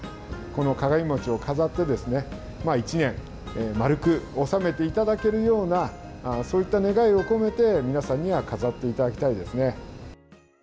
この鏡餅を飾って、一年、丸く収めていただけるような、そういった願いを込めて、皆さんには飾っていただきたいですね。